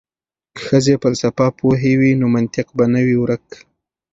که ښځې فلسفه پوهې وي نو منطق به نه وي ورک.